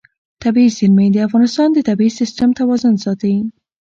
طبیعي زیرمې د افغانستان د طبعي سیسټم توازن ساتي.